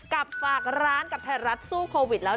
ฝากร้านกับไทยรัฐสู้โควิดแล้ว